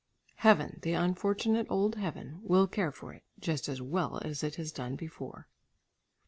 Heaven, the unfortunate old heaven will care for it, just as well as it has done before.